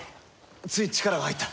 つい力が入った。